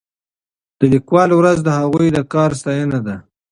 د لیکوالو ورځ د هغوی د کار ستاینه ده.